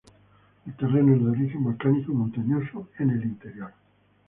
El terreno es de origen volcánico y montañoso en el interior.